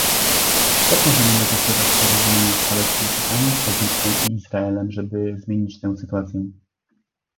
Jak możemy negocjować porozumienie z Palestyńczykami, Egiptem i Izraelem, żeby zmienić tę sytuację?